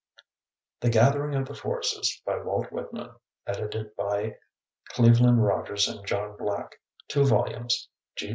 The Gathering of the Forces. By Walt Whit man. Edited by Cleveland Rodgers and John Black. Two volumes.